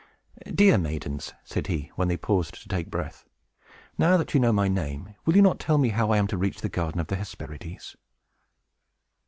"Dear maidens," said he, when they paused to take breath, "now that you know my name, will you not tell me how I am to reach the garden of the Hesperides?"